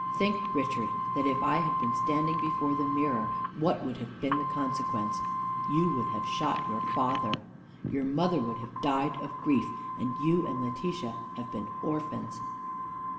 Think, Richard, that if I had been standing before the mirror, what would have been the consequence. You would have shot your father! Your mother would have died of grief, and you and Letitia have been orphans!"